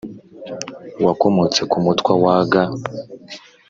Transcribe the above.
wakomotse ku mutwa waga